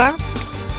dan allah sudah berkata